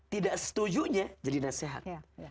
tidak setujunya jadi nasehat